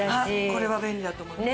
これは便利だと思います。